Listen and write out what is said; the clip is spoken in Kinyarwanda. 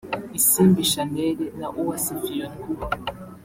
Isimbi Chanelle na Uwase Fiona